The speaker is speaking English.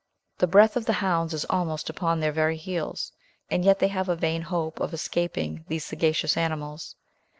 The breath of the hounds is almost upon their very heels, and yet they have a vain hope of escaping these sagacious animals.